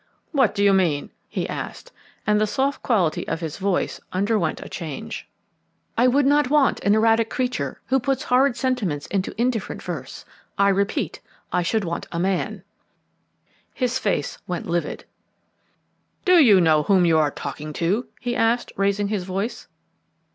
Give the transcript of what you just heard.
"What do you mean?" he asked, and the soft quality of his voice underwent a change. Her voice was full of angry tears when she answered him. "I should not want an erratic creature who puts horrid sentiments into indifferent verse. I repeat, I should want a man." His face went livid. "Do you know whom you are talking to?" he asked, raising his voice.